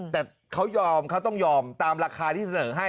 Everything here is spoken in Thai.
แต่เขายอมเขาต้องยอมตามราคาที่เสนอให้